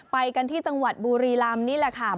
ไปกันที่จังหวัดบุรีลำนี่แหละค่ะ